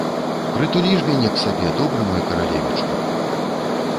Прытулі ж мяне к сабе, добры мой каралевічу!